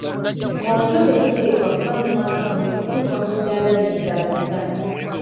Omutwe teguteekwa kuba muwanvu nnyo kutuuka ku ddaala libuzaabuza.